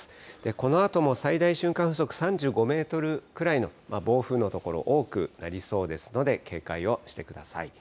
このあとも最大瞬間風速３５メートルぐらいの暴風の所、多くなりそうですので、警戒をしてください。